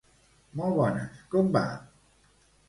Molt bones, com va?